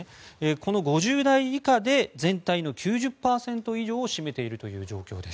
この５０代以下で全体の９０％以上を占めているという状況です。